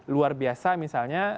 luar biasa misalnya